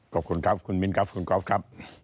ขอบคุณครับคุณมิ้นครับคุณก๊อฟครับ